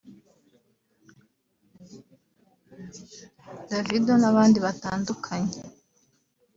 Davido n’abandi batandukanye